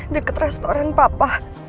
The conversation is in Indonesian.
deket restoran papa